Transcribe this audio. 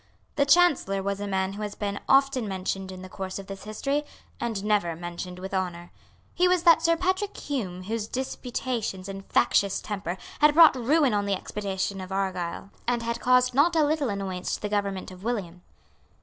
The Chancellor was a man who has been often mentioned in the course of this history, and never mentioned with honour. He was that Sir Patrick Hume whose disputatious and factious temper had brought ruin on the expedition of Argyle, and had caused not a little annoyance to the government of William.